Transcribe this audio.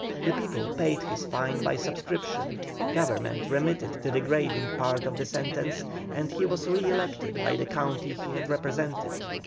The people paid his fine by subscription, Government remitted the degrading part of the sentence, and he was re elected by the county he had represented.